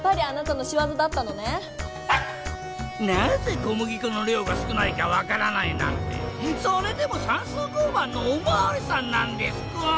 なぜこむぎこの量が少ないかわからないなんてそれでもさんすう交番のおまわりさんなんですか